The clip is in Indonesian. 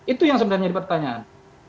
itu yang sebenarnya pertanyaan